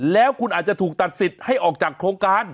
แล้วคุณอาจจะถูกตัดสิทธิ์ให้ออกจากโครงการ